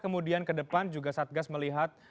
kemudian ke depan juga satgas melihat